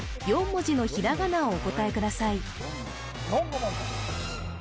４文字のひらがなをお答えください